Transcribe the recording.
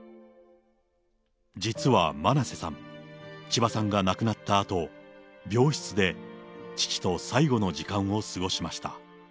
実は真瀬さん、千葉さんが亡くなったあと、病室で父と最後の時間を過ごしました。